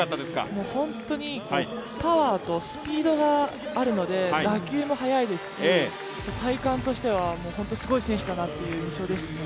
本当にパワーとスピードがあるので打球も速いですし体感としてはすごい選手だなという印象ですね。